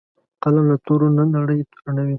قلم له تورو نړۍ رڼوي